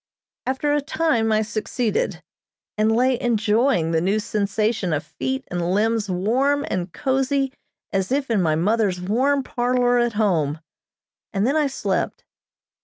After a time I succeeded, and lay enjoying the new sensation of feet and limbs warm and cozy as if in my mother's warm parlor at home; and then I slept.